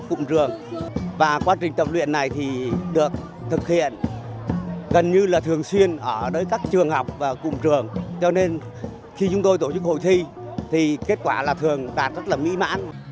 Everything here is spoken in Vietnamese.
khi chúng tôi tổ chức hội thi thì kết quả là thường đạt rất là mỹ mãn